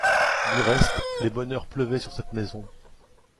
Du reste, les bonheurs pleuvaient sur cette maison.